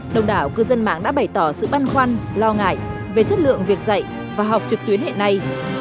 đồng đảo cư dân mạng đã bày tỏ sự băn khoăn lo ngại về chất lượng việc dạy và học trực tuyến hiện nay